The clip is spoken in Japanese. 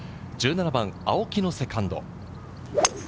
１７番、青木のセカンド。